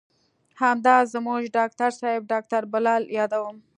همدا زموږ ډاکتر صاحب ډاکتر بلال يادوم.